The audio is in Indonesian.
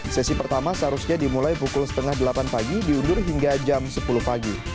sesi pertama seharusnya dimulai pukul setengah delapan pagi diundur hingga jam sepuluh pagi